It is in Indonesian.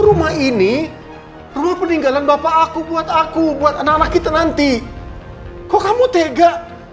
rumah ini rumah peninggalan bapak aku buat aku buat anak anak kita nanti kok kamu tega